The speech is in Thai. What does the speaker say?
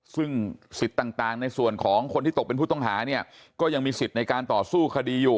ซึ่งสิทธิ์ต่างในส่วนของคนที่ตกเป็นผู้ต้องหาเนี่ยก็ยังมีสิทธิ์ในการต่อสู้คดีอยู่